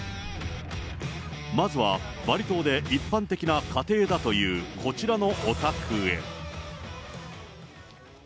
まずはバリ島で一般的な家庭だというこちらのお宅へ。